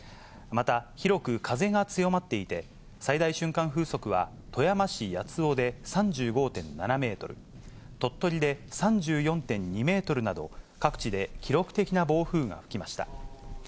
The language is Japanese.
また、広く風が強まっていて、最大瞬間風速は富山市八尾で３５．７メートル、鳥取で３４．２メートルなど、各地で記録的な暴風が吹きました。